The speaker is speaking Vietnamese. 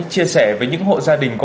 chia sẻ với những hộ gia đình